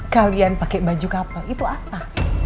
kalian pake baju kapel itu apa